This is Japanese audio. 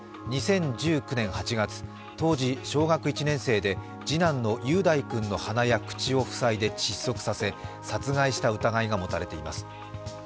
２０１９年８月、当時小学１年生で次男の雄大君の鼻や口を塞いで窒息させ殺害した疑いが持たれています。